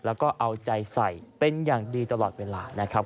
แล้วก็เอาใจใส่เป็นอย่างดีตลอดเวลานะครับ